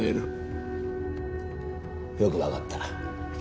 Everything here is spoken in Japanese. よくわかった。